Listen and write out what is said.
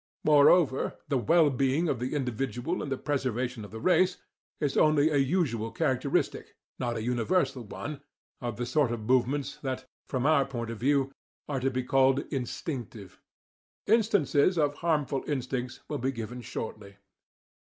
Moreover, "the well being of the individual and the preservation of the race" is only a usual characteristic, not a universal one, of the sort of movements that, from our point of view, are to be called instinctive; instances of harmful instincts will be given shortly.